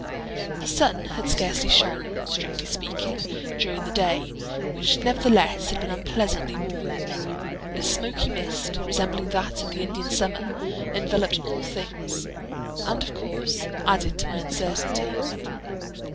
The sun had scarcely shone—strictly speaking—during the day, which nevertheless, had been unpleasantly warm. A smoky mist, resembling that of the Indian summer, enveloped all things, and of course, added to my uncertainty.